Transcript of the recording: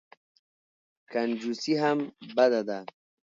کنجوسي هم بده ده.